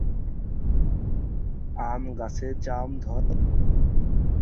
তাই এটি আমাদের প্রাত্যহিক জীবনের অনেক ক্ষেত্রে কোনটি নৈতিক তা শনাক্ত করার জন্য দার্শনিক পদ্ধতি ব্যবহার করে।